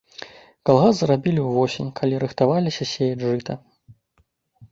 Калгас зрабілі ўвосень, калі рыхтаваліся сеяць жыта.